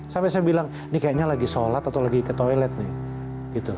sampai saya bilang ini kayaknya lagi sholat atau lagi ke toilet nih